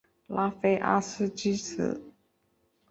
拉菲阿斯之子。